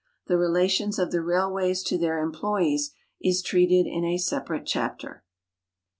" The Relations of the Railways to their Employes " is treated in a separate chapter.